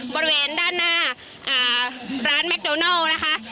บริเวณด้านหน้าร้านแมคโดนัลนะคะ